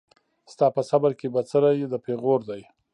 ستا په صبر کي بڅری د پېغور دی